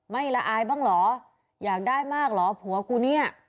ละอายบ้างเหรออยากได้มากเหรอผัวกูเนี่ย